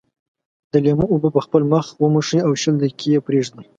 د لیمو اوبه په خپل مخ وموښئ او شل دقيقې یې پرېږدئ.